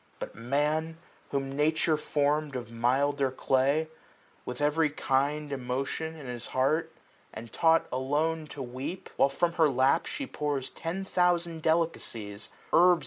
But Man, whom Nature form'd of milder clay. With every kind emotion in his heart. And taught alon&to weep ; while from her lap 350 She pours ten thousand delicacies ; herbs.